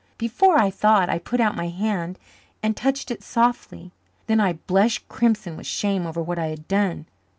Before I thought I put out my hand and touched it softly, then I blushed crimson with shame over what I had done.